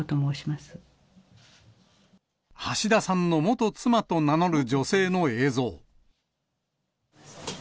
橋田さんの元妻と名乗る女性の映像。